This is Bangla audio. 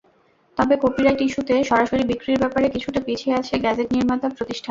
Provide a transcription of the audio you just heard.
তবে কপিরাইট ইস্যুতে সরাসরি বিক্রির ব্যাপারে কিছুটা পিছিয়ে আছে গ্যাজেট নির্মাতা প্রতিষ্ঠান।